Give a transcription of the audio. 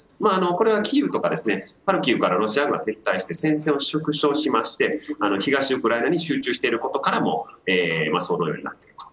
これはキーウやハルキウからロシア軍が撤退して戦線を縮小して東ウクライナに集中していることからも想像できます。